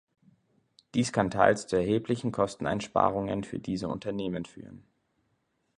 Dies kann teils zu erheblichen Kosteneinsparungen für diese Unternehmen führen.